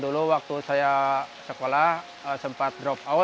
dulu waktu saya sekolah sempat selesai belajar